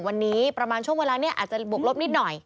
วันนี้ประมาณช่วงเวลานี้อาจจะบวกลบนิดหน่อย